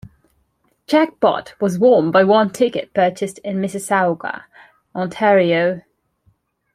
The jackpot was won by one ticket purchased in Mississauga, Ontario.